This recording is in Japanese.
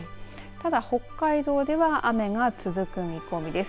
ただ北海道では雨が続く見込みです。